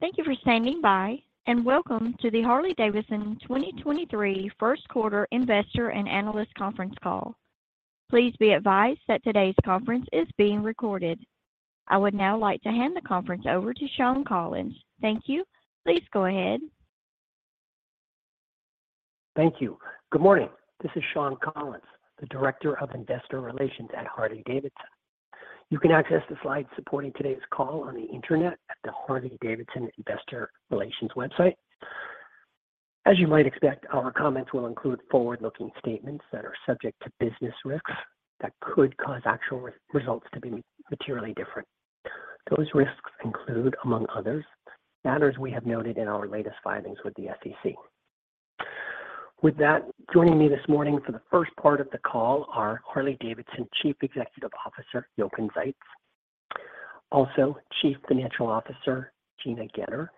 Thank you for standing by, welcome to the Harley-Davidson 2023 first quarter investor and analyst conference call. Please be advised that today's conference is being recorded. I would now like to hand the conference over to Shawn Collins. Thank you. Please go ahead. Thank you. Good morning. This is Shawn Collins, the Director of Investor Relations at Harley-Davidson. You can access the slides supporting today's call on the Internet at the Harley-Davidson Investor Relations website. As you might expect, our comments will include forward-looking statements that are subject to business risks that could cause actual results to be materially different. Those risks include, among others, matters we have noted in our latest filings with the SEC. With that, joining me this morning for the first part of the call are Harley-Davidson Chief Executive Officer, Jochen Zeitz. Also, Chief Financial Officer, Gina Goetter,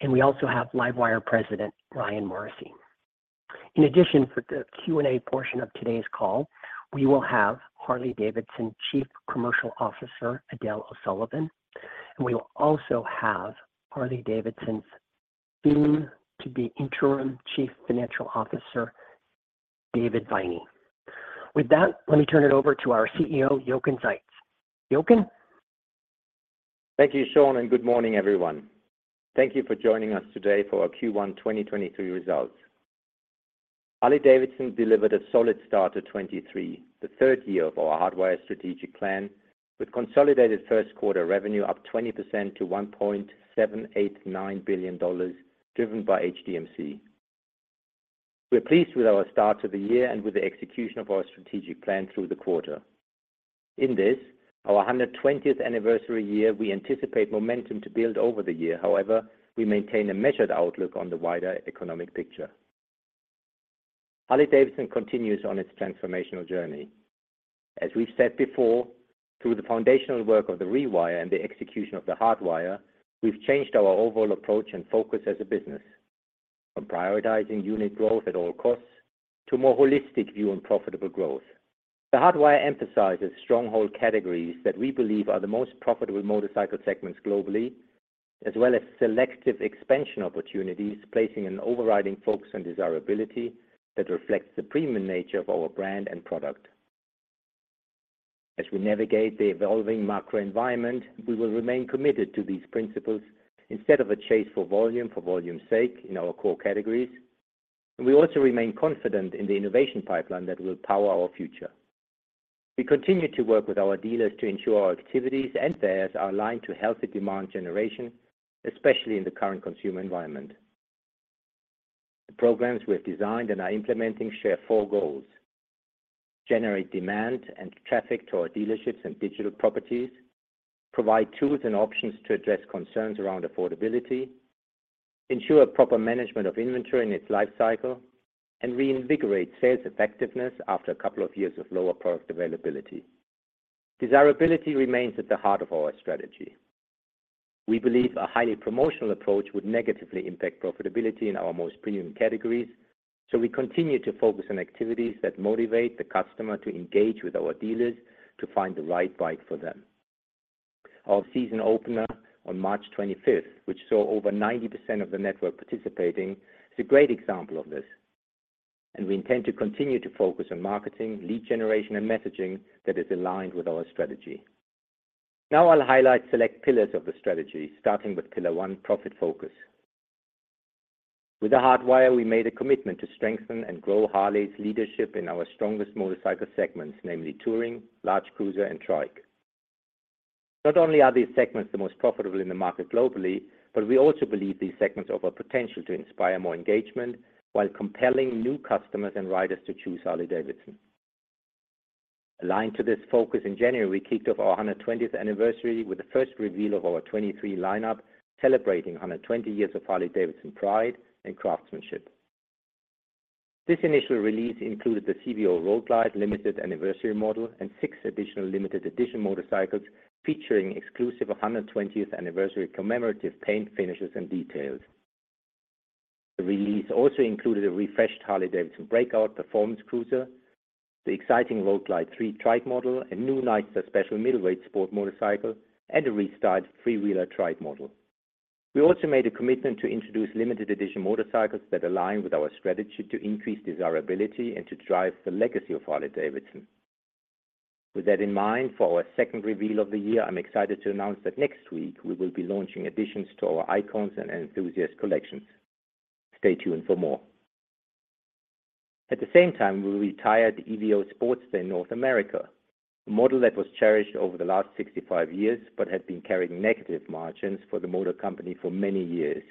and we also have LiveWire President, Ryan Morrissey. In addition, for the Q&A portion of today's call, we will have Harley-Davidson Chief Commercial Officer, Edel O'Sullivan, and we will also have Harley-Davidson's soon-to-be Interim Chief Financial Officer, David Viney. With that, let me turn it over to our CEO, Jochen Zeitz. Jochen? Thank you, Shawn, good morning, everyone. Thank you for joining us today for our Q1 2023 results. Harley-Davidson delivered a solid start to 2023, the third year of our Hardwire strategic plan, with consolidated first quarter revenue up 20% to $1.789 billion, driven by HDMC. We're pleased with our start to the year and with the execution of our strategic plan through the quarter. In this, our 120th anniversary year, we anticipate momentum to build over the year. However, we maintain a measured outlook on the wider economic picture. Harley-Davidson continues on its transformational journey. As we've said before, through the foundational work of the Rewire and the execution of the Hardwire, we've changed our overall approach and focus as a business from prioritizing unit growth at all costs to a more holistic view on profitable growth. The Hardwire emphasizes stronghold categories that we believe are the most profitable motorcycle segments globally, as well as selective expansion opportunities, placing an overriding focus on desirability that reflects the premium nature of our brand and product. As we navigate the evolving macro environment, we will remain committed to these principles instead of a chase for volume for volume's sake in our core categories. We also remain confident in the innovation pipeline that will power our future. We continue to work with our dealers to ensure our activities and fairs are aligned to healthy demand generation, especially in the current consumer environment. The programs we have designed and are implementing share four goals: generate demand and traffic to our dealerships and digital properties, provide tools and options to address concerns around affordability, ensure proper management of inventory in its life cycle, and reinvigorate sales effectiveness after a couple of years of lower product availability. Desirability remains at the heart of our strategy. We believe a highly promotional approach would negatively impact profitability in our most premium categories. We continue to focus on activities that motivate the customer to engage with our dealers to find the right bike for them. Our season opener on March twenty-fifth, which saw over 90% of the network participating, is a great example of this, and we intend to continue to focus on marketing, lead generation, and messaging that is aligned with our strategy. Now I'll highlight select pillars of the strategy, starting with pillar one, profit focus. With the Hardwire, we made a commitment to strengthen and grow Harley's leadership in our strongest motorcycle segments, namely touring, large cruiser, and trike. Not only are these segments the most profitable in the market globally, but we also believe these segments offer potential to inspire more engagement while compelling new customers and riders to choose Harley-Davidson. Aligned to this focus, in January, we kicked off our 120th anniversary with the first reveal of our 2023 lineup, celebrating 120 years of Harley-Davidson pride and craftsmanship. This initial release included the CVO Road Glide Limited anniversary model and 6 additional limited edition motorcycles, featuring exclusive 120th anniversary commemorative paint finishes and details. The release also included a refreshed Harley-Davidson Breakout performance cruiser, the exciting Road Glide 3 trike model, a new Nightster Special middleweight sport motorcycle, and a restyled Freewheeler trike model. We also made a commitment to introduce limited edition motorcycles that align with our strategy to increase desirability and to drive the legacy of Harley-Davidson. With that in mind, for our second reveal of the year, I'm excited to announce that next week we will be launching additions to our Icons and Enthusiast collections. Stay tuned for more. At the same time, we retired the Evo Sportster in North America, a model that was cherished over the last 65 years but had been carrying negative margins for the motor company for many years.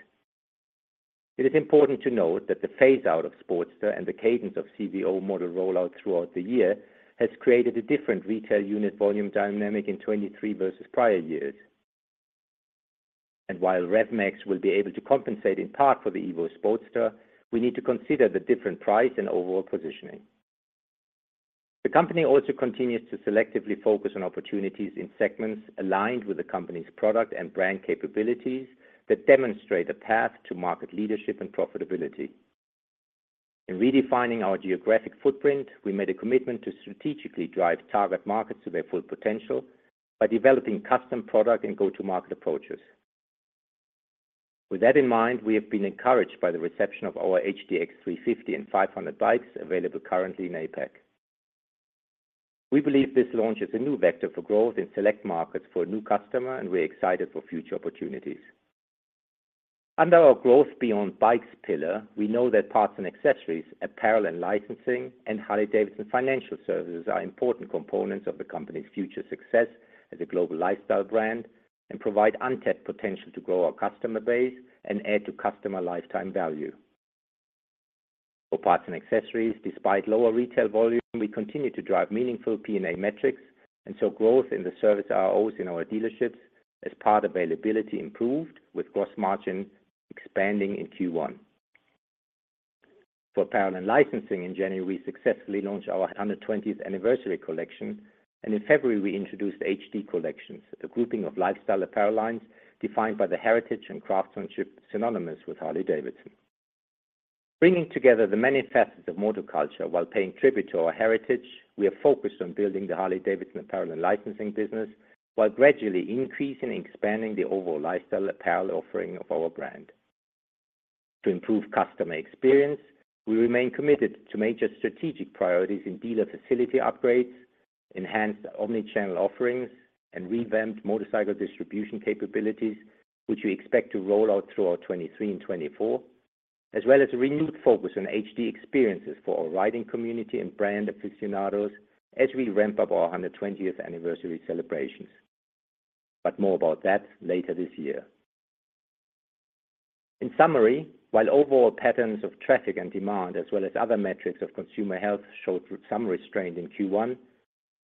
It is important to note that the phase-out of Sportster and the cadence of CVO model rollout throughout the year has created a different retail unit volume dynamic in 23 versus prior years. While Rev Max will be able to compensate in part for the Evo Sportster, we need to consider the different price and overall positioning. The company also continues to selectively focus on opportunities in segments aligned with the company's product and brand capabilities that demonstrate a path to market leadership and profitability. In redefining our geographic footprint, we made a commitment to strategically drive target markets to their full potential by developing custom product and go-to-market approaches. With that in mind, we have been encouraged by the reception of our H-DX 350 and 500 bikes available currently in APAC. We believe this launch is a new vector for growth in select markets for a new customer, and we're excited for future opportunities. Under our growth beyond bikes pillar, we know that parts and accessories, apparel and licensing, and Harley-Davidson Financial Services are important components of the company's future success as a global lifestyle brand and provide untapped potential to grow our customer base and add to customer lifetime value. For parts and accessories, despite lower retail volume, we continue to drive meaningful P&A metrics, and saw growth in the service ROAs in our dealerships as part availability improved with gross margin expanding in Q1. For apparel and licensing in January, we successfully launched our 120th anniversary collection, and in February, we introduced H-D Collections, a grouping of lifestyle apparel lines defined by the heritage and craftsmanship synonymous with Harley-Davidson. Bringing together the many facets of motor culture while paying tribute to our heritage, we are focused on building the Harley-Davidson apparel and licensing business while gradually increasing and expanding the overall lifestyle apparel offering of our brand. To improve customer experience, we remain committed to major strategic priorities in dealer facility upgrades, enhanced omni-channel offerings, and revamped motorcycle distribution capabilities, which we expect to roll out throughout 2023 and 2024, as well as a renewed focus on HD experiences for our riding community and brand aficionados as we ramp up our 120th anniversary celebrations. More about that later this year. In summary, while overall patterns of traffic and demand as well as other metrics of consumer health showed some restraint in Q1,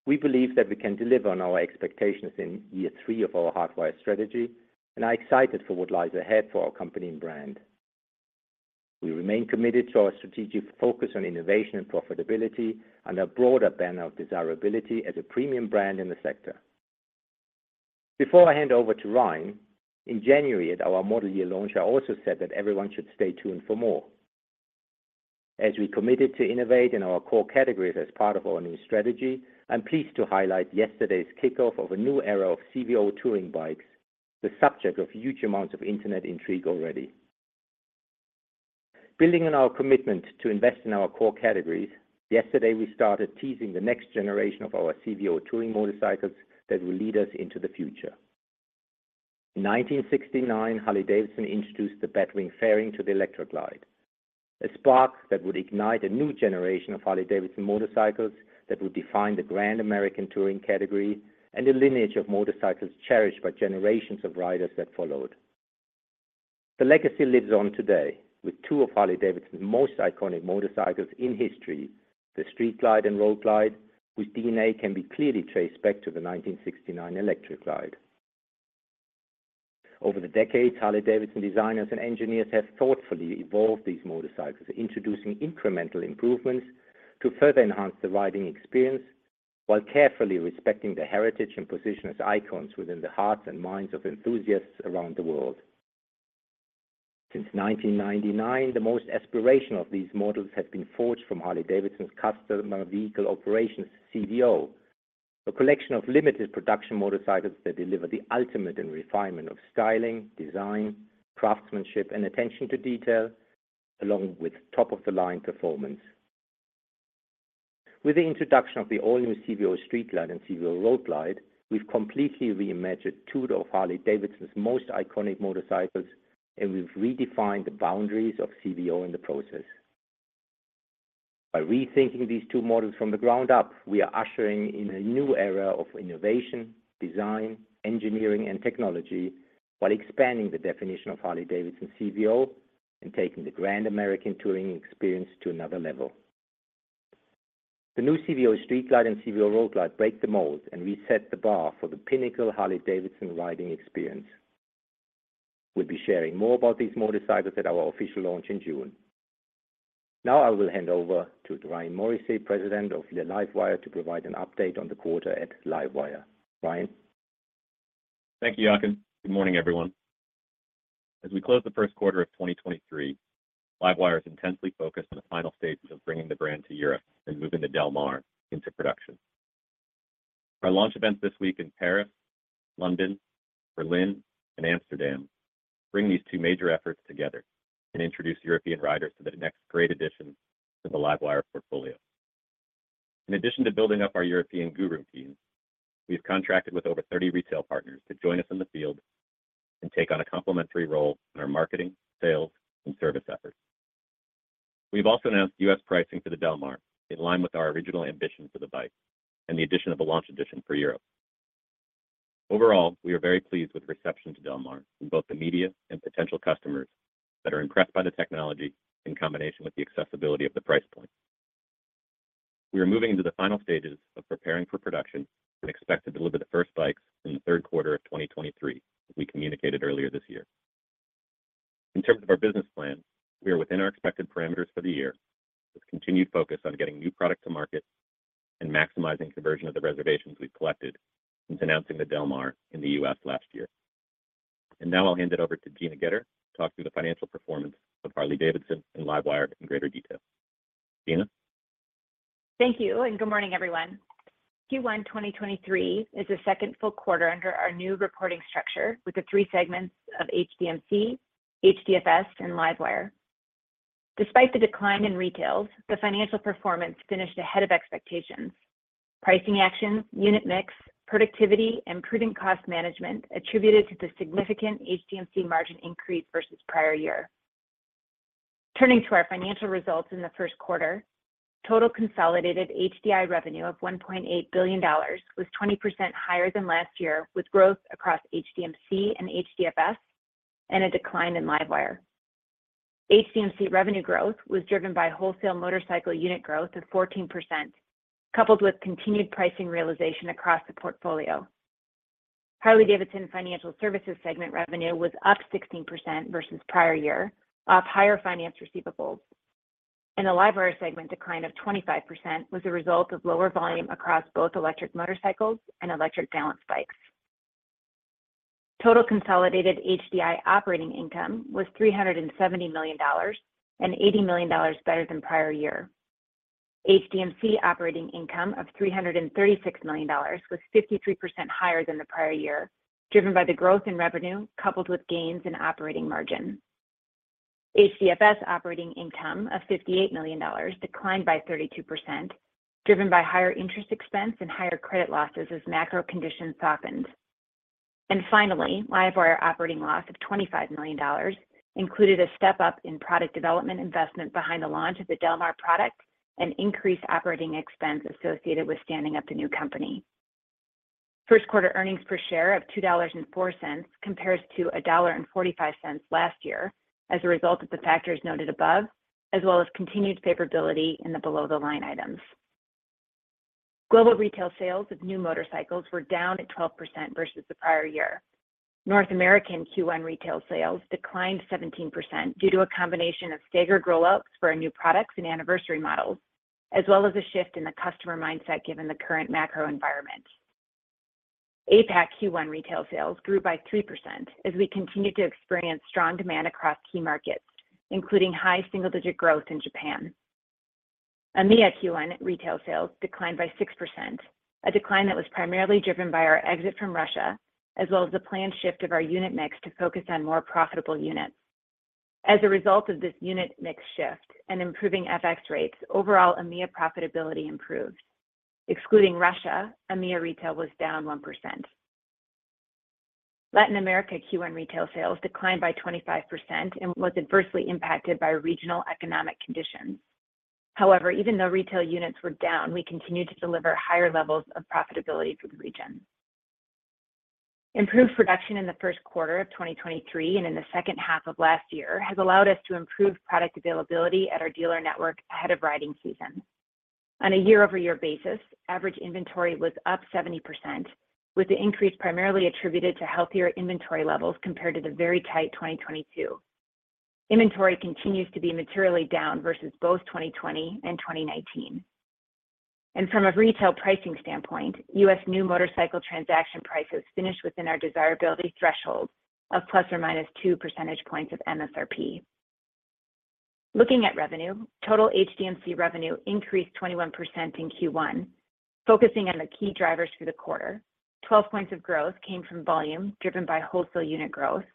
we believe that we can deliver on our expectations in year three of our Hardwire strategy and are excited for what lies ahead for our company and brand. We remain committed to our strategic focus on innovation and profitability and a broader banner of desirability as a premium brand in the sector. Before I hand over to Ryan, in January at our model year launch, I also said that everyone should stay tuned for more. We committed to innovate in our core categories as part of our new strategy, I'm pleased to highlight yesterday's kickoff of a new era of CVO touring bikes, the subject of huge amounts of internet intrigue already. Building on our commitment to invest in our core categories, yesterday, we started teasing the next generation of our CVO touring motorcycles that will lead us into the future. In 1969, Harley-Davidson introduced the Batwing fairing to the Electra Glide, a spark that would ignite a new generation of Harley-Davidson motorcycles that would define the Grand American Touring category and a lineage of motorcycles cherished by generations of riders that followed. The legacy lives on today with two of Harley-Davidson's most iconic motorcycles in history, the Street Glide and Road Glide, whose DNA can be clearly traced back to the 1969 Electra Glide. Over the decades, Harley-Davidson designers and engineers have thoughtfully evolved these motorcycles, introducing incremental improvements to further enhance the riding experience while carefully respecting the heritage and position as icons within the hearts and minds of enthusiasts around the world. Since 1999, the most aspirational of these models have been forged from Harley-Davidson's Custom Vehicle Operations, CVO, a collection of limited production motorcycles that deliver the ultimate in refinement of styling, design, craftsmanship, and attention to detail, along with top-of-the-line performance. With the introduction of the all-new CVO Street Glide and CVO Road Glide, we've completely reimagined two of Harley-Davidson's most iconic motorcycles. We've redefined the boundaries of CVO in the process. By rethinking these two models from the ground up, we are ushering in a new era of innovation, design, engineering, and technology while expanding the definition of Harley-Davidson CVO and taking the Grand American Touring experience to another level. The new CVO Street Glide and CVO Road Glide break the mold and reset the bar for the pinnacle Harley-Davidson riding experience. We'll be sharing more about these motorcycles at our official launch in June. Now, I will hand over to Ryan Morrissey, President of LiveWire, to provide an update on the quarter at LiveWire. Ryan? Thank you, Jochen. Good morning, everyone. As we close the first quarter of 2023, LiveWire is intensely focused on the final stages of bringing the brand to Europe and moving the Del Mar into production. Our launch events this week in Paris, London, Berlin, and Amsterdam bring these two major efforts together and introduce European riders to the next great addition to the LiveWire portfolio. In addition to building up our European guru team, we have contracted with over 30 retail partners to join us in the field and take on a complementary role in our marketing, sales, and service efforts. We've also announced U.S. pricing for the Del Mar in line with our original ambition for the bike and the addition of a launch edition for Europe. Overall, we are very pleased with reception to Del Mar from both the media and potential customers that are impressed by the technology in combination with the accessibility of the price point. We are moving into the final stages of preparing for production and expect to deliver the first bikes in the third quarter of 2023, as we communicated earlier this year. In terms of our business plan, we are within our expected parameters for the year, with continued focus on getting new product to market and maximizing conversion of the reservations we've collected since announcing the Del Mar in the U.S. last year. Now I'll hand it over to Gina Goetter to talk through the financial performance of Harley-Davidson and LiveWire in greater detail. Gina? Thank you. Good morning, everyone. Q1 2023 is the second full quarter under our new reporting structure with the three segments of HDMC, HDFS, and LiveWire. Despite the decline in retails, the financial performance finished ahead of expectations. Pricing actions, unit mix, productivity, and prudent cost management attributed to the significant HDMC margin increase versus prior year. Turning to our financial results in the first quarter, total consolidated HDI revenue of $1.8 billion was 20% higher than last year, with growth across HDMC and HDFS and a decline in LiveWire. HDMC revenue growth was driven by wholesale motorcycle unit growth of 14%, coupled with continued pricing realization across the portfolio. Harley-Davidson Financial Services segment revenue was up 16% versus prior year, up higher finance receivables. In the LiveWire segment, decline of 25% was a result of lower volume across both electric motorcycles and electric balance bikes. Total consolidated HDI operating income was $370 million and $80 million better than prior year. HDMC operating income of $336 million was 53% higher than the prior year, driven by the growth in revenue coupled with gains in operating margin. HDFS operating income of $58 million declined by 32%, driven by higher interest expense and higher credit losses as macro conditions softened. Finally, LiveWire operating loss of $25 million included a step-up in product development investment behind the launch of the Del Mar product and increased operating expense associated with standing up the new company. First quarter earnings per share of $2.04 compares to $1.45 last year as a result of the factors noted above, as well as continued favorability in the below-the-line items. Global retail sales of new motorcycles were down at 12% versus the prior year. North American Q1 retail sales declined 17% due to a combination of staggered rollouts for our new products and anniversary models, as well as a shift in the customer mindset given the current macro environment. APAC Q1 retail sales grew by 3% as we continued to experience strong demand across key markets, including high single-digit growth in Japan. EMEA Q1 retail sales declined by 6%, a decline that was primarily driven by our exit from Russia, as well as the planned shift of our unit mix to focus on more profitable units. As a result of this unit mix shift and improving FX rates, overall EMEA profitability improved. Excluding Russia, EMEA retail was down 1%. Latin America Q1 retail sales declined by 25% and was adversely impacted by regional economic conditions. However, even though retail units were down, we continued to deliver higher levels of profitability for the region. Improved production in the first quarter of 2023 and in the second half of last year has allowed us to improve product availability at our dealer network ahead of riding season. On a year-over-year basis, average inventory was up 70%, with the increase primarily attributed to healthier inventory levels compared to the very tight 2022. Inventory continues to be materially down versus both 2020 and 2019. From a retail pricing standpoint, U.S. new motorcycle transaction prices finished within our desirability thresholds of ±2 percentage points of MSRP. Looking at revenue, total HDMC revenue increased 21% in Q1, focusing on the key drivers for the quarter. 12 points of growth came from volume, driven by wholesale unit growth.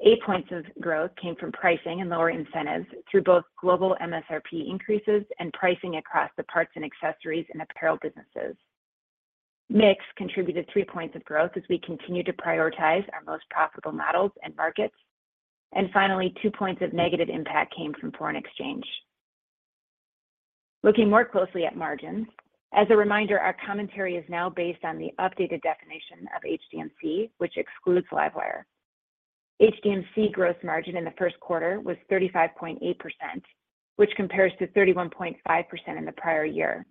8 points of growth came from pricing and lower incentives through both global MSRP increases and pricing across the parts and accessories and apparel businesses. Mix contributed 3 points of growth as we continue to prioritize our most profitable models and markets. Finally, 2 points of negative impact came from foreign exchange. Looking more closely at margins, as a reminder, our commentary is now based on the updated definition of HDMC, which excludes LiveWire. HDMC gross margin in the first quarter was 35.8%, which compares to 31.5% in the prior year.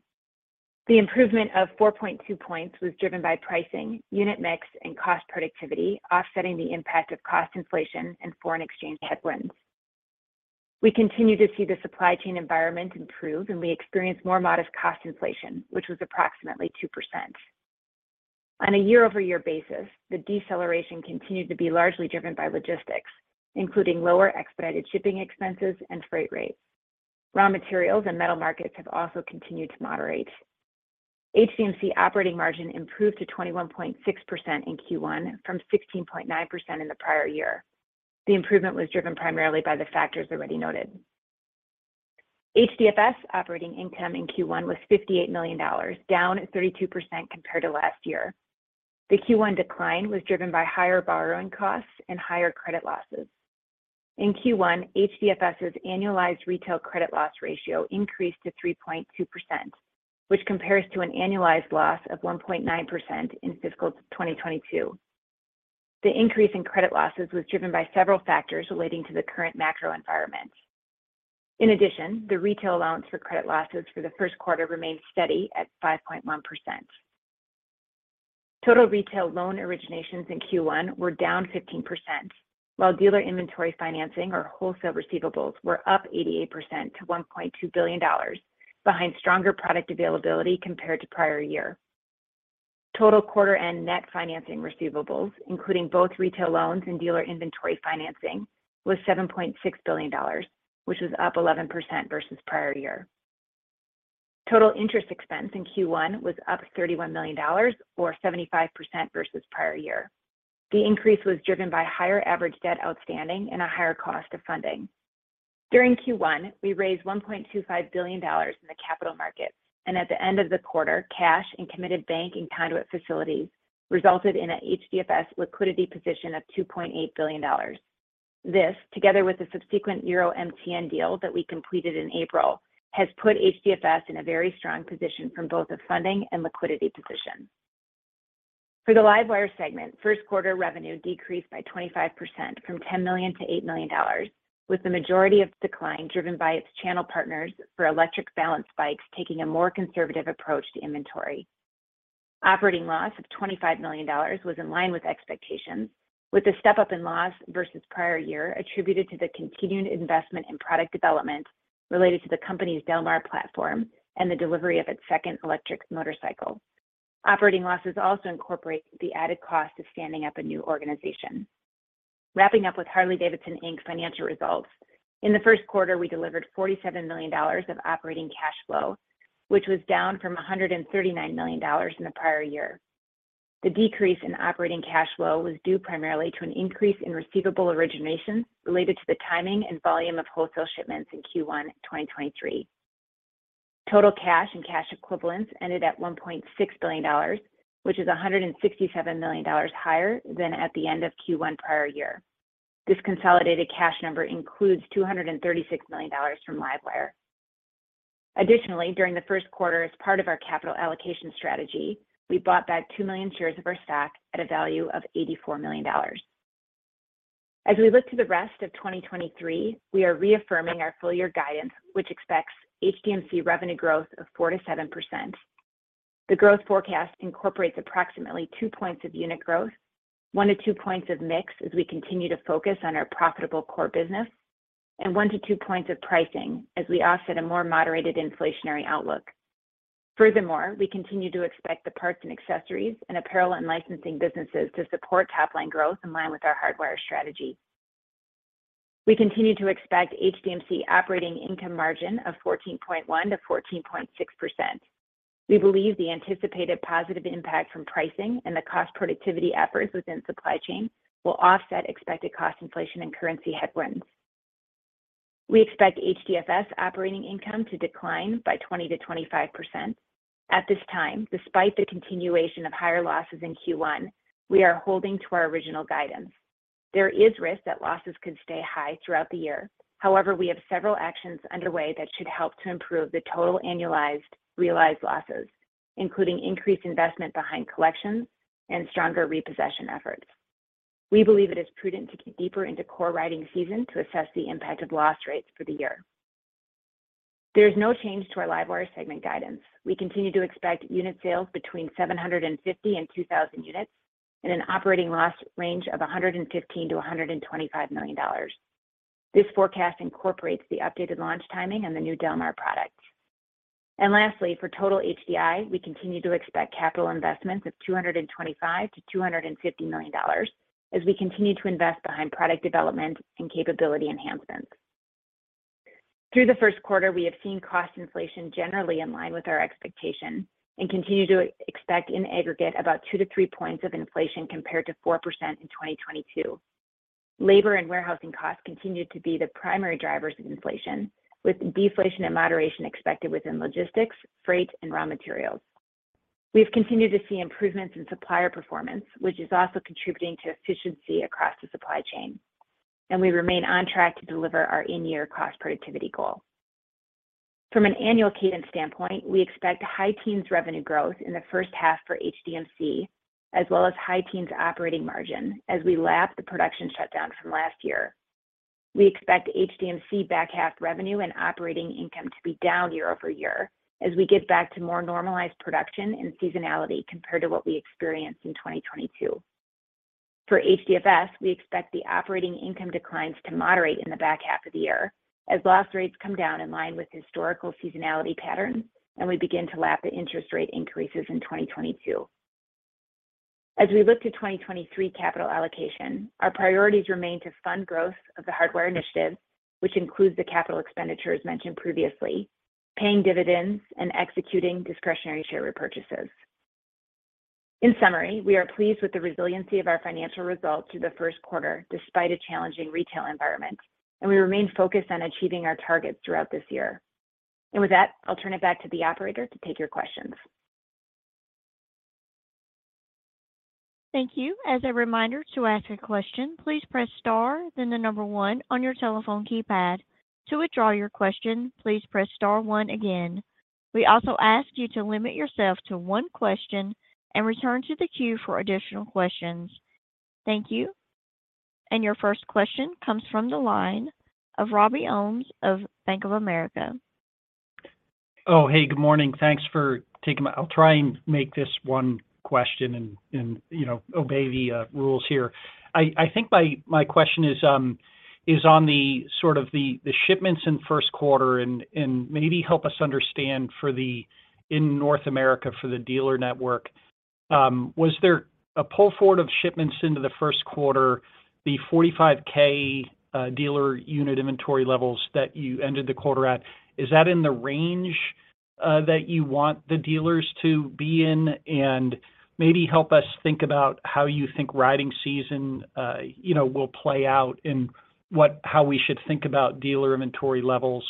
The improvement of 4.2 points was driven by pricing, unit mix, and cost productivity, offsetting the impact of cost inflation and foreign exchange headwinds. We continue to see the supply chain environment improve, and we experienced more modest cost inflation, which was approximately 2%. On a year-over-year basis, the deceleration continued to be largely driven by logistics, including lower expedited shipping expenses and freight rates. Raw materials and metal markets have also continued to moderate. HDMC operating margin improved to 21.6% in Q1 from 16.9% in the prior year. The improvement was driven primarily by the factors already noted. HDFS operating income in Q1 was $58 million, down at 32% compared to last year. The Q1 decline was driven by higher borrowing costs and higher credit losses. In Q1, HDFS's annualized retail credit loss ratio increased to 3.2%, which compares to an annualized loss of 1.9% in fiscal 2022. The increase in credit losses was driven by several factors relating to the current macro environment. In addition, the retail allowance for credit losses for the first quarter remained steady at 5.1%. Total retail loan originations in Q1 were down 15%. While dealer inventory financing or wholesale receivables were up 88% to $1.2 billion behind stronger product availability compared to prior year. Total quarter end net financing receivables, including both retail loans and dealer inventory financing, was $7.6 billion, which was up 11% versus prior year. Total interest expense in Q1 was up $31 million or 75% versus prior year. The increase was driven by higher average debt outstanding and a higher cost of funding. During Q1, we raised $1.25 billion in the capital markets, at the end of the quarter, cash and committed bank and conduit facilities resulted in a HDFS liquidity position of $2.8 billion. This, together with the subsequent Euro MTN deal that we completed in April, has put HDFS in a very strong position from both a funding and liquidity position. For the LiveWire segment, first quarter revenue decreased by 25% from $10 million-$8 million, with the majority of decline driven by its channel partners for electric balanced bikes taking a more conservative approach to inventory. Operating loss of $25 million was in line with expectations, with the step-up in loss versus prior year attributed to the continuing investment in product development related to the company's Del Mar platform and the delivery of its second electric motorcycle. Operating losses also incorporate the added cost of standing up a new organization. Wrapping up with Harley-Davidson, Inc. financial results. In the first quarter, we delivered $47 million of operating cash flow, which was down from $139 million in the prior year. The decrease in operating cash flow was due primarily to an increase in receivable originations related to the timing and volume of wholesale shipments in Q1 2023. Total cash and cash equivalents ended at $1.6 billion, which is $167 million higher than at the end of Q1 prior year. This consolidated cash number includes $236 million from LiveWire. Additionally, during the first quarter, as part of our capital allocation strategy, we bought back 2 million shares of our stock at a value of $84 million. As we look to the rest of 2023, we are reaffirming our full year guidance, which expects HDMC revenue growth of 4%-7%. The growth forecast incorporates approximately 2 points of unit growth, 1-2 points of mix as we continue to focus on our profitable core business, and 1-2 points of pricing as we offset a more moderated inflationary outlook. Furthermore, we continue to expect the parts and accessories and apparel and licensing businesses to support top line growth in line with our Hardwire strategy. We continue to expect HDMC operating income margin of 14.1%-14.6%. We believe the anticipated positive impact from pricing and the cost productivity efforts within supply chain will offset expected cost inflation and currency headwinds. We expect HDFS operating income to decline by 20% to 25%. At this time, despite the continuation of higher losses in Q1, we are holding to our original guidance. There is risk that losses could stay high throughout the year. We have several actions underway that should help to improve the total annualized realized losses, including increased investment behind collections and stronger repossession efforts. We believe it is prudent to get deeper into core riding season to assess the impact of loss rates for the year. There is no change to our LiveWire segment guidance. We continue to expect unit sales between 750-2,000 units and an operating loss range of $115 million-$125 million. This forecast incorporates the updated launch timing on the new Del Mar products. Lastly, for total HDI, we continue to expect capital investments of $225 million-$250 million as we continue to invest behind product development and capability enhancements. Through the first quarter, we have seen cost inflation generally in line with our expectation and continue to expect in aggregate about 2-3 points of inflation compared to 4% in 2022. Labor and warehousing costs continue to be the primary drivers of inflation, with deflation and moderation expected within logistics, freight, and raw materials. We've continued to see improvements in supplier performance, which is also contributing to efficiency across the supply chain, and we remain on track to deliver our in-year cost productivity goal. From an annual cadence standpoint, we expect high teens revenue growth in the first half for HDMC, as well as high teens operating margin as we lap the production shutdown from last year. We expect HDMC back half revenue and operating income to be down year-over-year as we get back to more normalized production and seasonality compared to what we experienced in 2022. For HDFS, we expect the operating income declines to moderate in the back half of the year as loss rates come down in line with historical seasonality patterns, and we begin to lap the interest rate increases in 2022. As we look to 2023 capital allocation, our priorities remain to fund growth of the Hardwire initiative, which includes the capital expenditures mentioned previously, paying dividends, and executing discretionary share repurchases. In summary, we are pleased with the resiliency of our financial results through the first quarter despite a challenging retail environment. We remain focused on achieving our targets throughout this year. With that, I'll turn it back to the operator to take your questions. Thank you. As a reminder to ask a question, please press star, then the 1 on your telephone keypad. To withdraw your question, please press star 1 again. We also ask you to limit yourself to 1 question and return to the queue for additional questions. Thank you. Your first question comes from the line of Robert Ohmes of Bank of America. Oh, hey, good morning. Thanks for taking. I'll try and make this one question and, you know, obey the rules here. I think my question is on the sort of the shipments in first quarter and maybe help us understand in North America for the dealer network, was there a pull forward of shipments into the first quarter, the 45K dealer unit inventory levels that you ended the quarter at? Is that in the range that you want the dealers to be in? Maybe help us think about how you think riding season, you know, will play out and how we should think about dealer inventory levels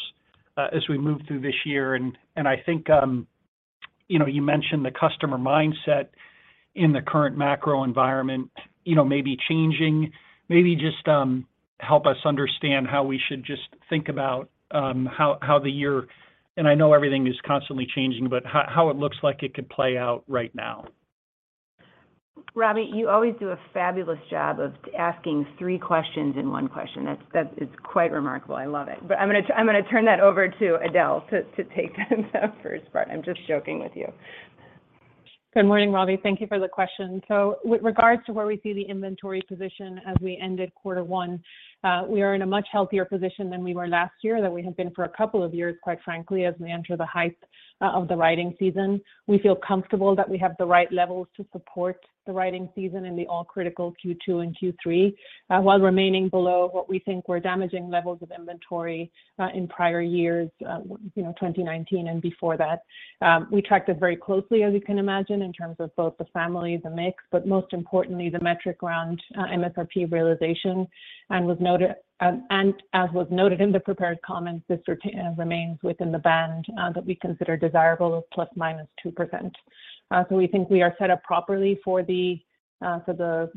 as we move through this year. I think, you know, you mentioned the customer mindset in the current macro environment, you know, may be changing. Maybe just, help us understand how we should just think about, how the year, and I know everything is constantly changing, but how it looks like it could play out right now? Robbie Ohmes, you always do a fabulous job of asking three questions in one question. That's, that is quite remarkable. I love it. I'm gonna turn that over to Edel O'Sullivan to take the first part. I'm just joking with you. Good morning, Robbie. Thank you for the question. With regards to where we see the inventory position as we ended quarter one, we are in a much healthier position than we were last year, than we have been for a couple of years, quite frankly, as we enter the height of the riding season. We feel comfortable that we have the right levels to support the riding season in the all-critical Q2 and Q3, while remaining below what we think were damaging levels of inventory, in prior years, you know, 2019 and before that. We tracked it very closely, as you can imagine, in terms of both the families and mix, but most importantly, the metric around MSRP realization. Was noted, and as was noted in the prepared comments, this remains within the band that we consider desirable of plus or minus 2%. We think we are set up properly for the, for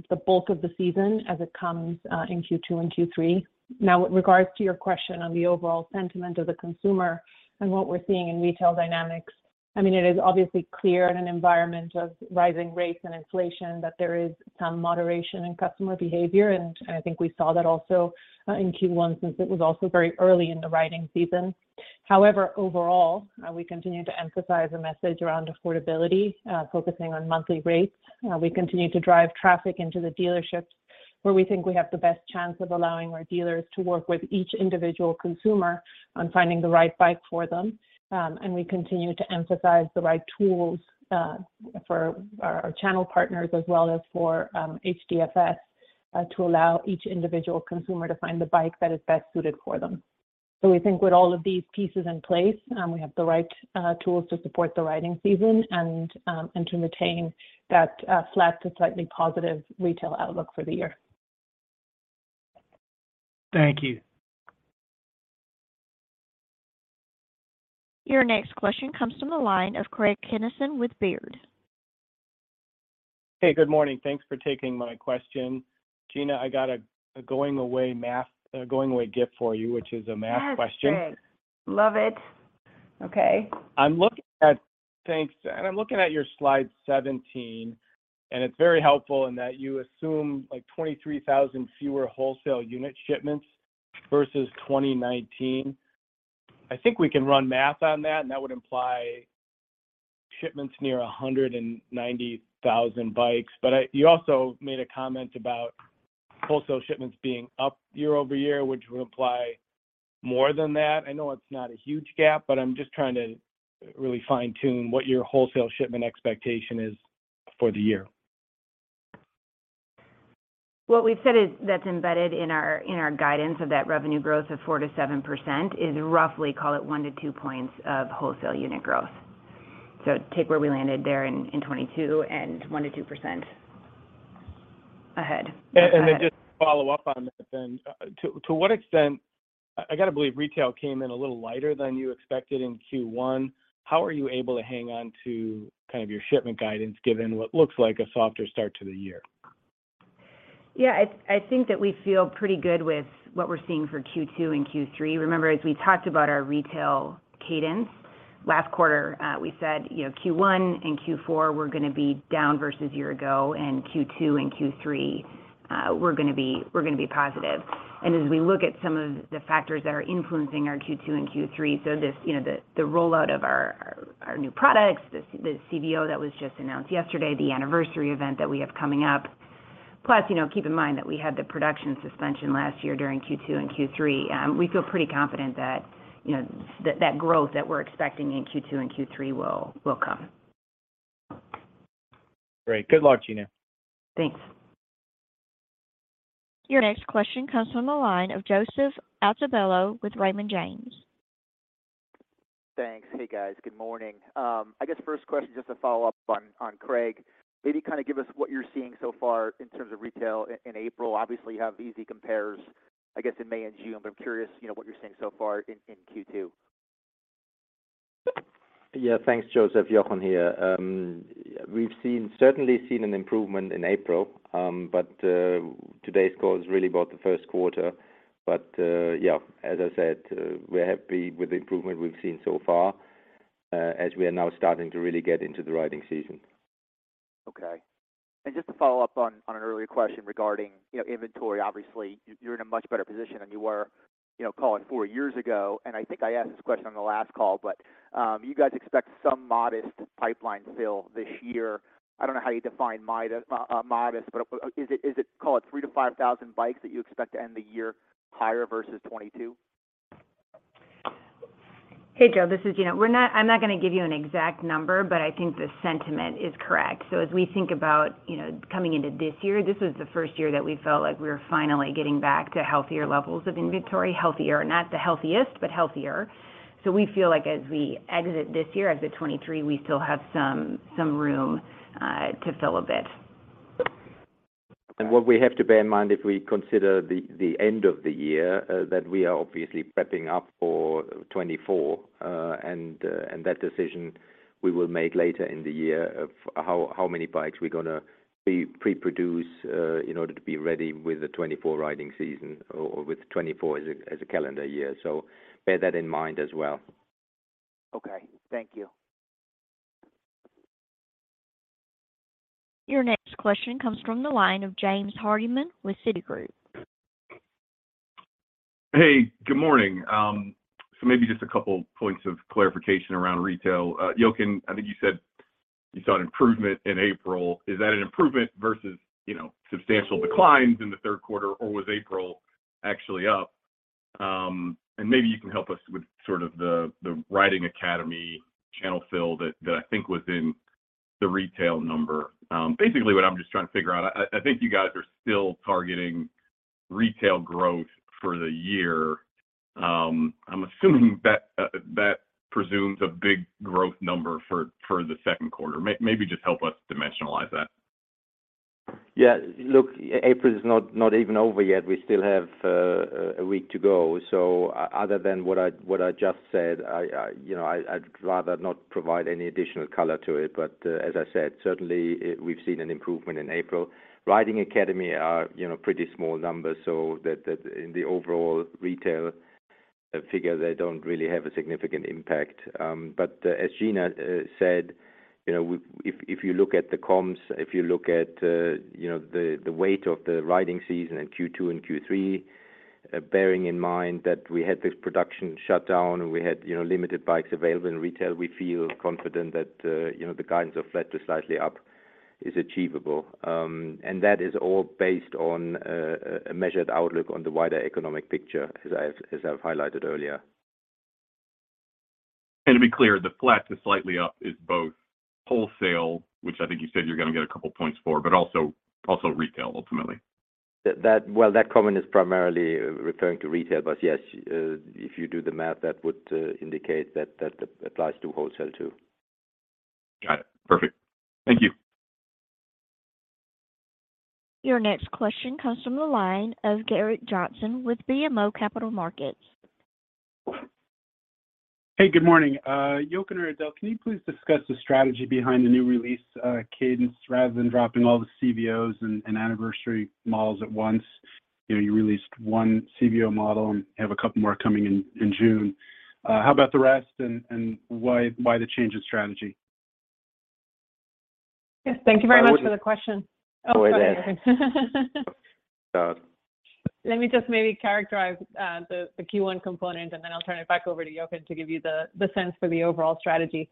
the bulk of the season as it comes in Q2 and Q3. With regards to your question on the overall sentiment of the consumer and what we're seeing in retail dynamics, I mean, it is obviously clear in an environment of rising rates and inflation that there is some moderation in customer behavior, and I think we saw that also in Q1 since it was also very early in the riding season. Overall, we continue to emphasize a message around affordability, focusing on monthly rates. We continue to drive traffic into the dealerships where we think we have the best chance of allowing our dealers to work with each individual consumer on finding the right bike for them. And we continue to emphasize the right tools for our channel partners as well as for HDFS to allow each individual consumer to find the bike that is best suited for them. We think with all of these pieces in place, we have the right tools to support the riding season and to maintain that flat to slightly positive retail outlook for the year. Thank you. Your next question comes from the line of Craig Kennison with Baird. Hey, good morning. Thanks for taking my question. Gina, I got a going away gift for you, which is a math question. Yes, Craig. Love it. Okay. Thanks. I'm looking at your slide 17, and it's very helpful in that you assume, like, 23,000 fewer wholesale unit shipments versus 2019. I think we can run math on that, and that would imply shipments near 190,000 bikes. You also made a comment about wholesale shipments being up year-over-year, which would imply more than that. I know it's not a huge gap, but I'm just trying to really fine-tune what your wholesale shipment expectation is for the year. What we've said is that's embedded in our, in our guidance of that revenue growth of 4%-7% is roughly, call it, 1-2 points of wholesale unit growth. Take where we landed there in 2022 and 1%-2% ahead. Go ahead. Just to follow up on that then. To what extent, I gotta believe retail came in a little lighter than you expected in Q1. How are you able to hang on to kind of your shipment guidance given what looks like a softer start to the year? Yeah. I think that we feel pretty good with what we're seeing for Q2 and Q3. Remember, as we talked about our retail cadence last quarter, we said, you know, Q1 and Q4 were gonna be down versus year-ago, and Q2 and Q3 were gonna be positive. As we look at some of the factors that are influencing our Q2 and Q3, so this, you know, the rollout of our, our new products, the CVO that was just announced yesterday, the anniversary event that we have coming up. Plus, you know, keep in mind that we had the production suspension last year during Q2 and Q3. We feel pretty confident that, you know, that growth that we're expecting in Q2 and Q3 will come. Great. Good luck, Gina. Thanks. Your next question comes from the line of Joseph Altobello with Raymond James. Thanks. Hey, guys. Good morning. I guess first question, just to follow up on Craig. Maybe kind of give us what you're seeing so far in terms of retail in April. Obviously, you have easy compares, I guess, in May and June, but I'm curious, you know, what you're seeing so far in Q2. Yeah. Thanks, Joseph. Jochen here. We've seen, certainly seen an improvement in April. Today's call is really about the first quarter. Yeah, as I said, we're happy with the improvement we've seen so far, as we are now starting to really get into the riding season. Okay. Just to follow up on an earlier question regarding, you know, inventory. Obviously, you're in a much better position than you were, you know, call it four years ago. I think I asked this question on the last call, but you guys expect some modest pipeline fill this year. I don't know how you define modest, but is it, call it 3,000-5,000 bikes that you expect to end the year higher versus 2022? Hey, Joe, this is Gina. I'm not gonna give you an exact number, but I think the sentiment is correct. As we think about, you know, coming into this year, this is the first year that we felt like we're finally getting back to healthier levels of inventory. Healthier, not the healthiest, but healthier. We feel like as we exit this year, exit 2023, we still have some room to fill a bit. What we have to bear in mind if we consider the end of the year, that we are obviously prepping up for 2024, and that decision we will make later in the year of how many bikes we're gonna be pre-produce, in order to be ready with the 2024 riding season or with 2024 as a calendar year. Bear that in mind as well. Okay. Thank you. Your next question comes from the line of James Hardiman with Citigroup. Hey, good morning. Maybe just a couple points of clarification around retail. Jochen, I think you said you saw an improvement in April. Is that an improvement versus, you know, substantial declines in the third quarter, or was April actually up? Maybe you can help us with sort of the Riding Academy channel fill that I think was in the retail number. Basically what I'm just trying to figure out, I think you guys are still targeting retail growth for the year. I'm assuming that presumes a big growth number for the second quarter. Maybe just help us dimensionalize that. Look, April is not even over yet. We still have a week to go. Other than what I just said, I, you know, I'd rather not provide any additional color to it. As I said, certainly we've seen an improvement in April. Riding Academy are, you know, pretty small numbers, so that in the overall retail figure, they don't really have a significant impact. As Gina said, you know, if you look at the comms, if you look at, you know, the weight of the riding season in Q2 and Q3, bearing in mind that we had this production shut down and we had, you know, limited bikes available in retail, we feel confident that, you know, the guidance of flat to slightly up is achievable. That is all based on a measured outlook on the wider economic picture, as I've highlighted earlier. To be clear, the flat to slightly up is both wholesale, which I think you said you're gonna get a couple points for, but also retail ultimately. Well, that comment is primarily referring to retail. Yes, if you do the math, that would indicate that that applies to wholesale too. Got it. Perfect. Thank you. Your next question comes from the line of Gerrick Johnson with BMO Capital Markets. Hey, good morning. Jochen or Edel, can you please discuss the strategy behind the new release cadence, rather than dropping all the CVOs and anniversary models at once? You know, you released one CVO model and have a couple more coming in June. How about the rest, and why the change in strategy? Yes, thank you very much for the question. Go ahead. Let me just maybe characterize the Q1 component, and then I'll turn it back over to Jochen to give you the sense for the overall strategy.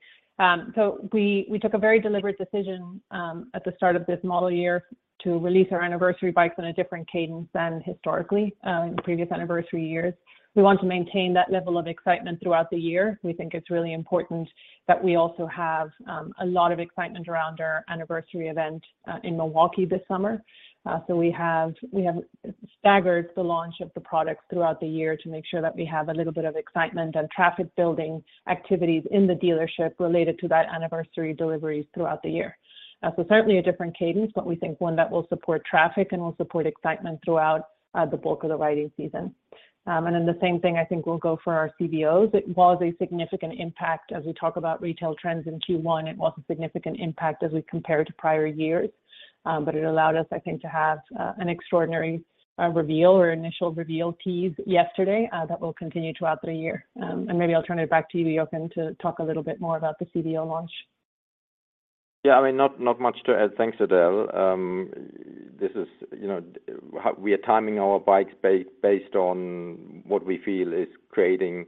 We took a very deliberate decision at the start of this model year to release our anniversary bikes on a different cadence than historically in previous anniversary years. We want to maintain that level of excitement throughout the year. We think it's really important that we also have a lot of excitement around our anniversary event in Milwaukee this summer. We have staggered the launch of the products throughout the year to make sure that we have a little bit of excitement and traffic building activities in the dealership related to that anniversary deliveries throughout the year. Certainly a different cadence, but we think one that will support traffic and will support excitement throughout the bulk of the riding season. The same thing I think will go for our CVOs. It was a significant impact as we talk about retail trends in Q1. It was a significant impact as we compare to prior years. It allowed us, I think, to have an extraordinary reveal or initial reveal tease yesterday that will continue throughout the year. Maybe I'll turn it back to you, Jochen, to talk a little bit more about the CVO launch. Yeah. I mean, not much to add. Thanks, Edel. This is, you know, we are timing our bikes based on what we feel is creating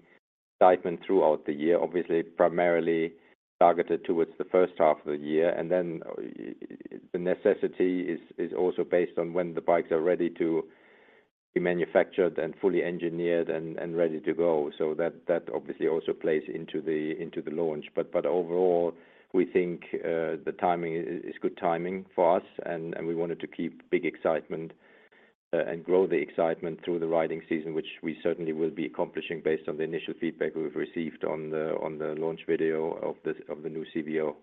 excitement throughout the year, obviously primarily targeted towards the first half of the year. The necessity is also based on when the bikes are ready to be manufactured and fully engineered and ready to go. That obviously also plays into the launch. Overall, we think the timing is good timing for us, and we wanted to keep big excitement and grow the excitement through the riding season, which we certainly will be accomplishing based on the initial feedback we've received on the launch video of the new CVO.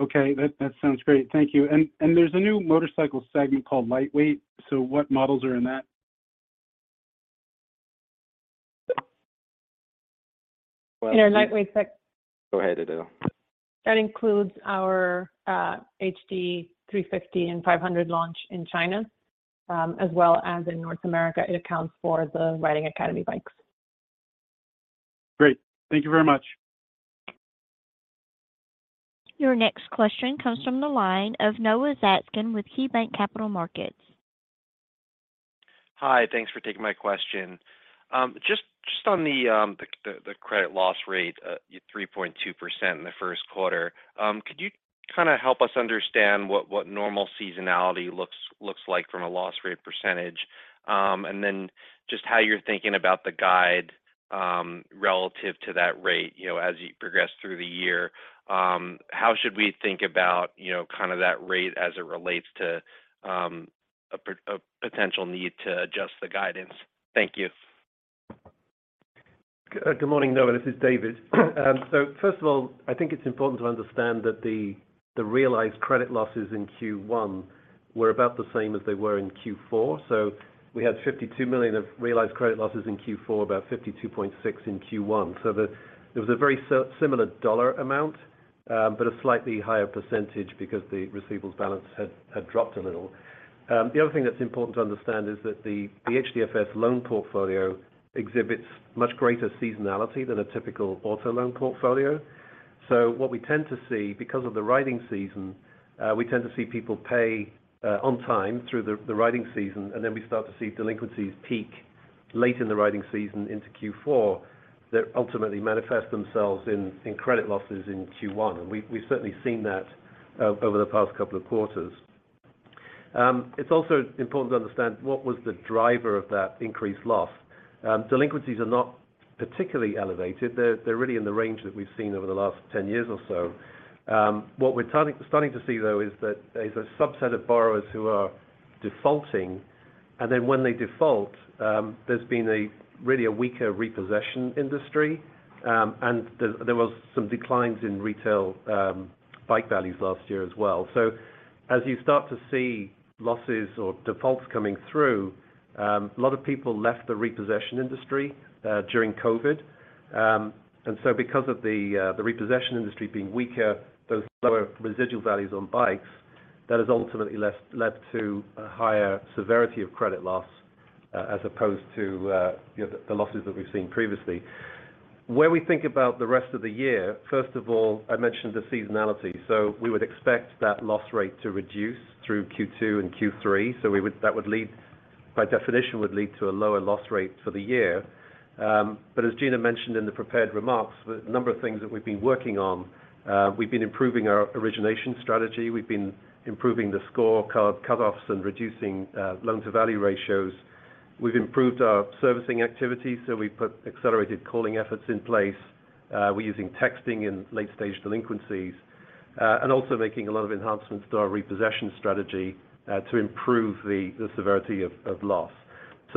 Okay, that sounds great. Thank you. There's a new motorcycle segment called LiveWire. What models are in that? In our lightweight Go ahead, Edel. That includes our HD 350 and 500 launch in China, as well as in North America. It accounts for the Riding Academy bikes. Great. Thank you very much. Your next question comes from the line of Noah Zatzkin with KeyBanc Capital Markets. Hi. Thanks for taking my question. Just on the credit loss rate, 3.2% in the first quarter, could you kinda help us understand what normal seasonality looks like from a loss rate percentage? Then just how you're thinking about the guide, relative to that rate, you know, as you progress through the year. How should we think about, you know, kind of that rate as it relates to a potential need to adjust the guidance? Thank you. Good morning, Noah. This is David. First of all, I think it's important to understand that the realized credit losses in Q1 were about the same as they were in Q4. We had $52 million of realized credit losses in Q4, about $52.6 in Q1. It was a very similar dollar amount, but a slightly higher percentage because the receivables balance had dropped a little. The other thing that's important to understand is that the HDFS loan portfolio exhibits much greater seasonality than a typical auto loan portfolio. What we tend to see, because of the riding season, we tend to see people pay on time through the riding season, and then we start to see delinquencies peak late in the riding season into Q4 that ultimately manifest themselves in credit losses in Q1. We've certainly seen that over the past couple of quarters. It's also important to understand what was the driver of that increased loss. Delinquencies are not particularly elevated. They're really in the range that we've seen over the last 10 years or so. What we're starting to see though is that there's a subset of borrowers who are defaulting, and then when they default, there's been a really a weaker repossession industry, and there was some declines in retail bike values last year as well. As you start to see losses or defaults coming through, a lot of people left the repossession industry during COVID. Because of the repossession industry being weaker, those lower residual values on bikes, that has ultimately led to a higher severity of credit loss, as opposed to, you know, the losses that we've seen previously. When we think about the rest of the year, first of all, I mentioned the seasonality, we would expect that loss rate to reduce through Q2 and Q3. That would lead, by definition, to a lower loss rate for the year. As Gina mentioned in the prepared remarks, the number of things that we've been working on, we've been improving our origination strategy. We've been improving the score card cutoffs and reducing loan-to-value ratios. We've improved our servicing activities, so we put accelerated calling efforts in place. We're using texting in late-stage delinquencies, and also making a lot of enhancements to our repossession strategy to improve the severity of loss.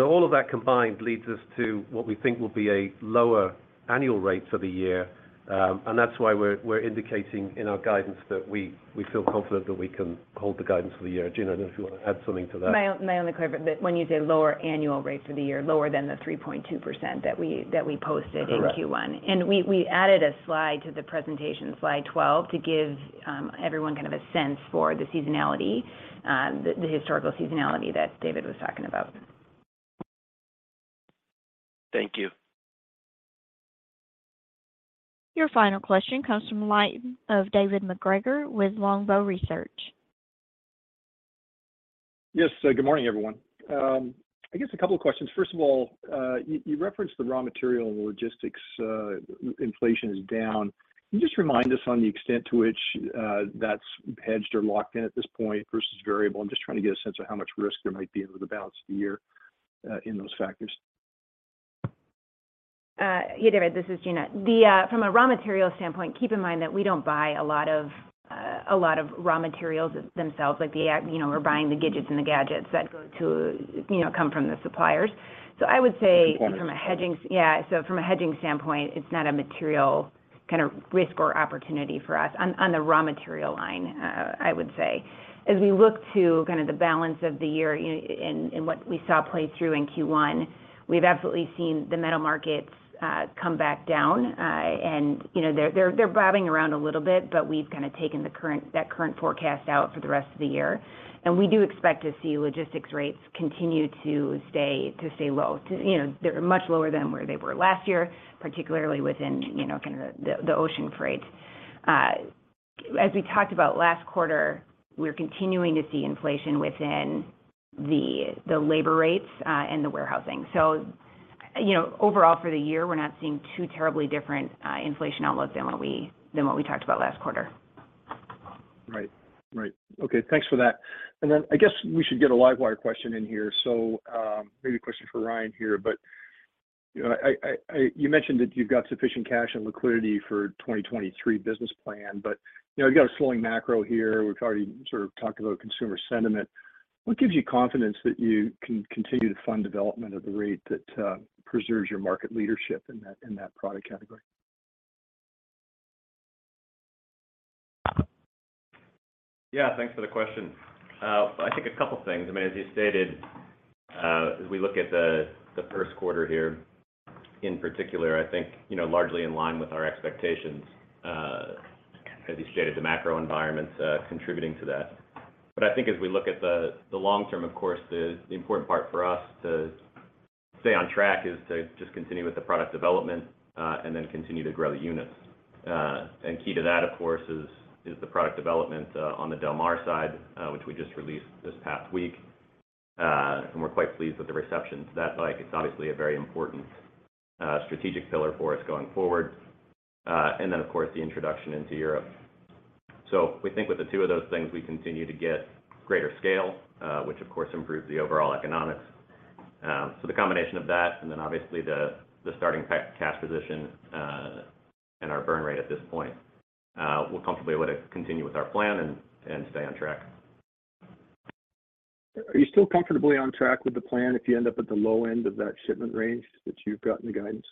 All of that combined leads us to what we think will be a lower annual rate for the year, and that's why we're indicating in our guidance that we feel confident that we can hold the guidance for the year. Gina, I don't know if you want to add something to that? My only caveat, that when you say lower annual rate for the year, lower than the 3.2% that we posted. Correct. in Q1. We added a slide to the presentation, slide 12, to give everyone kind of a sense for the seasonality, the historical seasonality that David was talking about. Thank you. Your final question comes from the line of David MacGregor with Longbow Research. Yes. Good morning, everyone. I guess a couple of questions. First of all, you referenced the raw material and logistics inflation is down. Can you just remind us on the extent to which that's hedged or locked in at this point versus variable? I'm just trying to get a sense of how much risk there might be over the balance of the year in those factors. Yeah, David, this is Gina. From a raw material standpoint, keep in mind that we don't buy a lot of, a lot of raw materials themselves, like you know, we're buying the gidgets and the gadgets that go to, you know, come from the suppliers. I would say- The components. Yeah, from a hedging standpoint, it's not a material kind of risk or opportunity for us on the raw material line, I would say. As we look to kind of the balance of the year, you know, what we saw play through in Q1, we've absolutely seen the metal markets come back down. You know, they're bobbing around a little bit, but we've kind of taken the current, that current forecast out for the rest of the year. We do expect to see logistics rates continue to stay low. You know, they're much lower than where they were last year, particularly within, you know, kind of the ocean freight. As we talked about last quarter, we're continuing to see inflation within the labor rates and the warehousing. you know, overall for the year, we're not seeing two terribly different inflation outlooks than what we talked about last quarter. Right. Right. Okay. Thanks for that. I guess we should get a LiveWire question in here. Maybe a question for Ryan here. You know, you mentioned that you've got sufficient cash and liquidity for 2023 business plan, but, you know, you've got a slowing macro here. We've already sort of talked about consumer sentiment. What gives you confidence that you can continue to fund development at the rate that preserves your market leadership in that product category? Yeah. Thanks for the question. I think a couple of things. I mean, as you stated, as we look at the first quarter here in particular, I think, you know, largely in line with our expectations. As you stated, the macro environment's contributing to that. I think as we look at the long term, of course, the important part for us to stay on track is to just continue with the product development, and then continue to grow the units. Key to that, of course, is the product development on the Del Mar side, which we just released this past week. We're quite pleased with the reception to that. Like, it's obviously a very important strategic pillar for us going forward. Then of course, the introduction into Europe. We think with the two of those things, we continue to get greater scale, which of course improves the overall economics. The combination of that, and then obviously the starting cash position, and our burn rate at this point, we're comfortably able to continue with our plan and stay on track. Are you still comfortably on track with the plan if you end up at the low end of that shipment range that you've got in the guidance?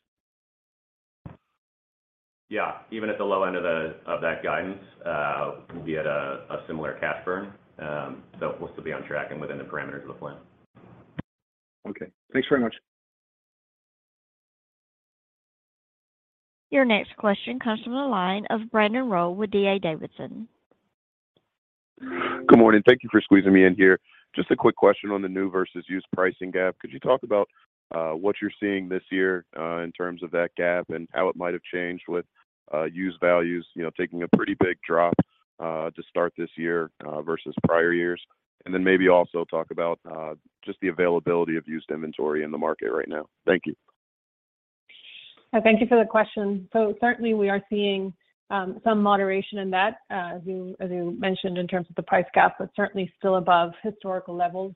Yeah. Even at the low end of that guidance, we'll be at a similar cash burn. We'll still be on track and within the parameters of the plan. Okay. Thanks very much. Your next question comes from the line of Brandon Rollé with D.A. Davidson. Good morning. Thank you for squeezing me in here. Just a quick question on the new versus used pricing gap. Could you talk about what you're seeing this year in terms of that gap and how it might have changed with used values, you know, taking a pretty big drop to start this year versus prior years? Maybe also talk about just the availability of used inventory in the market right now. Thank you. Thank you for the question. Certainly, we are seeing some moderation in that, as you, as you mentioned in terms of the price gap, but certainly still above historical levels.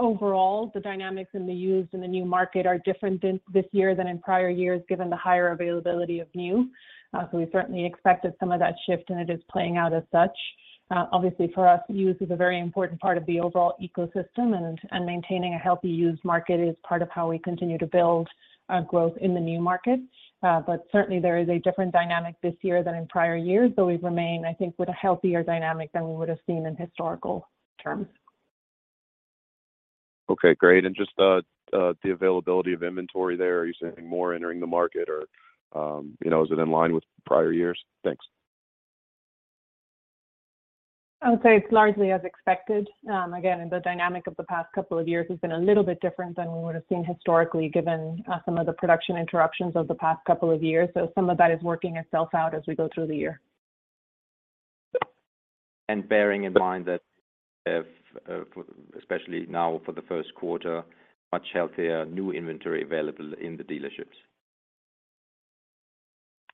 Overall, the dynamics in the used and the new market are different in this year than in prior years, given the higher availability of new. We certainly expected some of that shift, and it is playing out as such. Obviously for us, used is a very important part of the overall ecosystem and, maintaining a healthy used market is part of how we continue to build growth in the new market. Certainly there is a different dynamic this year than in prior years, but we remain, I think, with a healthier dynamic than we would've seen in historical terms. Okay, great. Just the availability of inventory there. Are you seeing more entering the market or, you know, is it in line with prior years? Thanks. I would say it's largely as expected. Again, the dynamic of the past couple of years has been a little bit different than we would've seen historically, given some of the production interruptions of the past couple of years. Some of that is working itself out as we go through the year. Bearing in mind that if, especially now for the first quarter, much healthier new inventory available in the dealerships.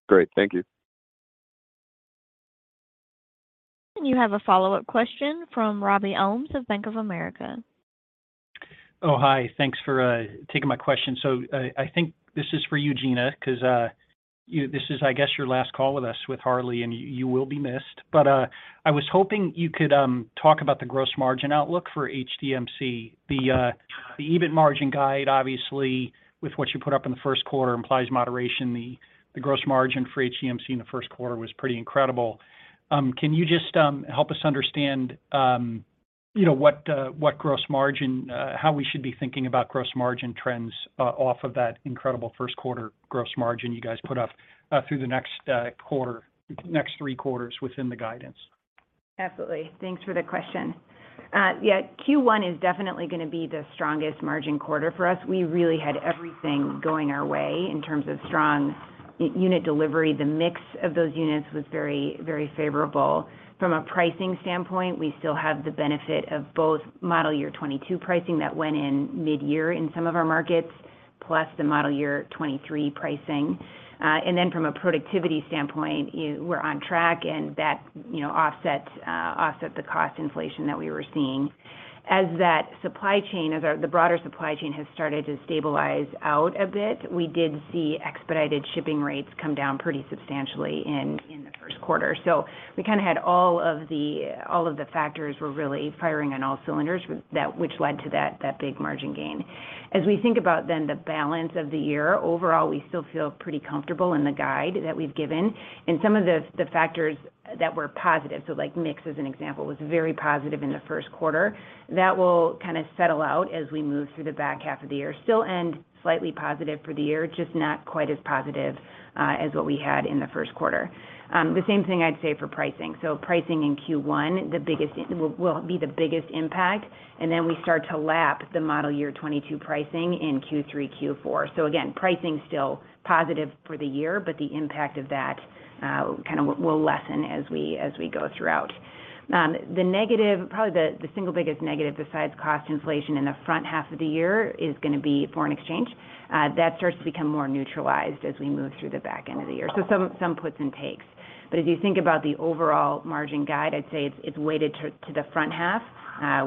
Great. Thank you. You have a follow-up question from Robbie Ohmes of Bank of America. Hi. Thanks for taking my question. I think this is for you, Gina, 'cause this is, I guess, your last call with us with Harley-Davidson, and you will be missed. I was hoping you could talk about the gross margin outlook for HDMC. The EBIT margin guide, obviously with what you put up in the first quarter implies moderation. The gross margin for HDMC in the first quarter was pretty incredible. Can you just help us understand, you know, what gross margin, how we should be thinking about gross margin trends off of that incredible first quarter gross margin you guys put up through the next quarter, next three quarters within the guidance? Absolutely. Thanks for the question. Yeah, Q1 is definitely gonna be the strongest margin quarter for us. We really had everything going our way in terms of strong unit delivery. The mix of those units was very favorable. From a pricing standpoint, we still have the benefit of both model year 2022 pricing that went in midyear in some of our markets, plus the model year 2023 pricing. From a productivity standpoint, we're on track and that, you know, offset the cost inflation that we were seeing. As that supply chain, the broader supply chain has started to stabilize out a bit, we did see expedited shipping rates come down pretty substantially in the first quarter. We kind of had all of the factors were really firing on all cylinders with that, which led to that big margin gain. As we think about then the balance of the year, overall, we still feel pretty comfortable in the guide that we've given and some of the factors that were positive, so like mix as an example, was very positive in the first quarter. That will kind of settle out as we move through the back half of the year. Still end slightly positive for the year, just not quite as positive as what we had in the first quarter. The same thing I'd say for pricing. Pricing in Q1 will be the biggest impact. We start to lap the model year 2022 pricing in Q3, Q4. Again, pricing's still positive for the year, but the impact of that, kinda will lessen as we go throughout. The negative, probably the single biggest negative besides cost inflation in the front half of the year is gonna be foreign exchange. That starts to become more neutralized as we move through the back end of the year. Some puts and takes, but if you think about the overall margin guide, I'd say it's weighted to the front half,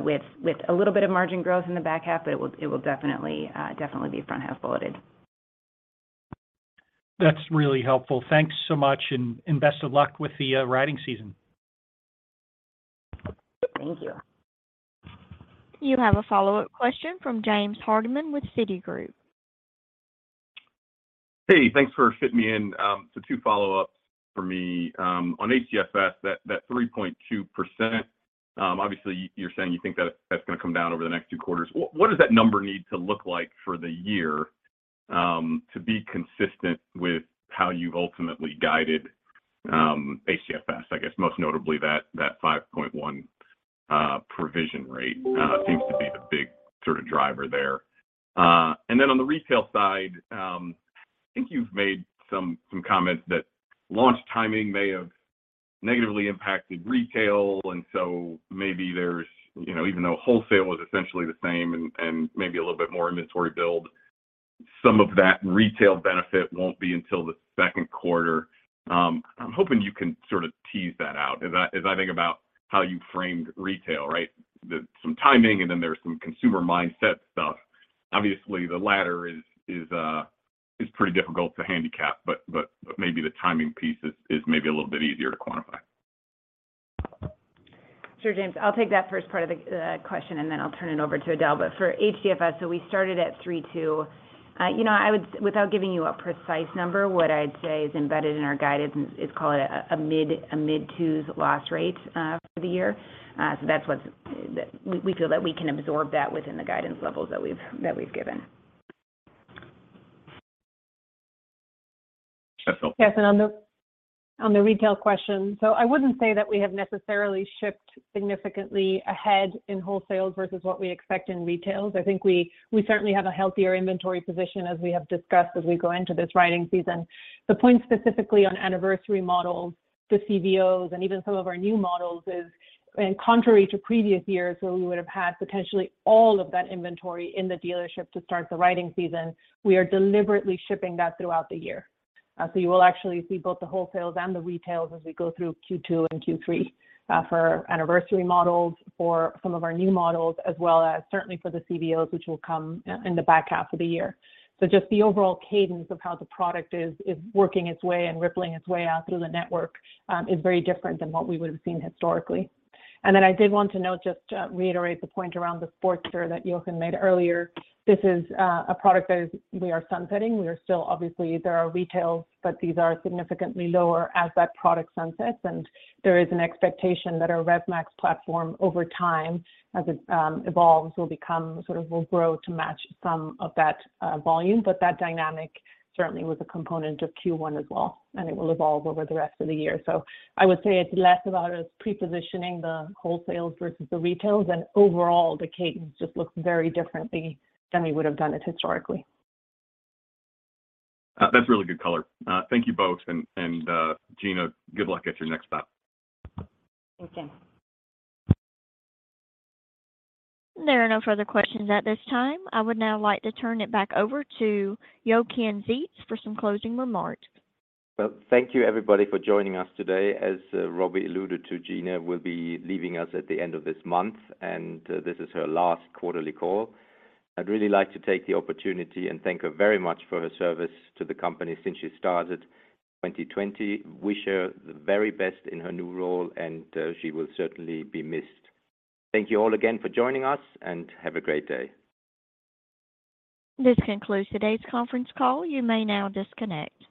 with a little bit of margin growth in the back half, but it will definitely be front half loaded. That's really helpful. Thanks so much and best of luck with the riding season. Thank you. You have a follow-up question from James Hardiman with Citigroup. Hey, thanks for fitting me in. Two follow-ups for me. On HDFS, that 3.2%, obviously you're saying you think that that's gonna come down over the next two quarters. What does that number need to look like for the year? To be consistent with how you've ultimately guided HDFS, I guess most notably that 5.1 provision rate seems to be the big sort of driver there. On the retail side, I think you've made some comments that launch timing may have negatively impacted retail, maybe there's, you know, even though wholesale was essentially the same and maybe a little bit more inventory build, some of that retail benefit won't be until the second quarter. I'm hoping you can sort of tease that out as I think about how you framed retail, right? some timing, and then there's some consumer mindset stuff. Obviously, the latter is pretty difficult to handicap, but maybe the timing piece is maybe a little bit easier to quantify. Sure, James. I'll take that first part of the question, and then I'll turn it over to Edel O'Sullivan. For HDFS, We started at 3.2%. you know, without giving you a precise number, what I'd say is embedded in our guidance is call it a mid 2s loss rate for the year. That's what's. We feel that we can absorb that within the guidance levels that we've given. Edel. Yes, on the retail question. I wouldn't say that we have necessarily shipped significantly ahead in wholesale versus what we expect in retails. I think we certainly have a healthier inventory position as we have discussed as we go into this riding season. The point specifically on anniversary models, the CVOs, and even some of our new models is. Contrary to previous years where we would have had potentially all of that inventory in the dealership to start the riding season, we are deliberately shipping that throughout the year. You will actually see both the wholesales and the retails as we go through Q2 and Q3, for anniversary models, for some of our new models, as well as certainly for the CVOs, which will come in the back half of the year. Just the overall cadence of how the product is working its way and rippling its way out through the network is very different than what we would have seen historically. I did want to note, just reiterate the point around the Sportster that Jochen made earlier. This is a product that we are sunsetting. We are still, obviously there are retails, but these are significantly lower as that product sunsets. There is an expectation that our RevMax platform over time, as it evolves, will grow to match some of that volume. That dynamic certainly was a component of Q1 as well, and it will evolve over the rest of the year. I would say it's less about us prepositioning the wholesales versus the retails and overall the cadence just looks very differently than we would have done it historically. That's really good color. Thank you both. And, Gina, good luck at your next stop. Thank you. There are no further questions at this time. I would now like to turn it back over to Jochen Zeitz for some closing remarks. Well, thank you everybody for joining us today. As Robbie alluded to, Gina will be leaving us at the end of this month, and this is her last quarterly call. I'd really like to take the opportunity and thank her very much for her service to the company since she started 2020. Wish her the very best in her new role, and she will certainly be missed. Thank you all again for joining us, and have a great day. This concludes today's conference call. You may now disconnect.